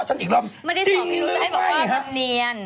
เจอมันเนี้ย